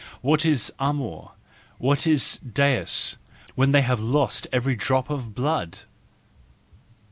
What is amor y what is deus y when they have lost every drop of blood